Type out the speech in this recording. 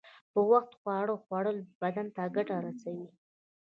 په وخت خواړه خوړل بدن ته گټه رسوي.